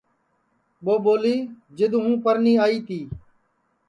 ٻو ٻولی جِدؔ ہوں پرنی آئی تی